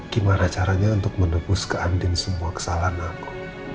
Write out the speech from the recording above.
gimana caranya untuk menebus keandin semua kesalahan aku